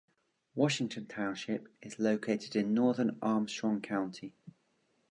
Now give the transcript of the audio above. Washington Township is located in northern Armstrong County.